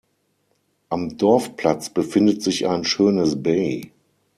Am Dorfplatz befindet sich ein schönes bay.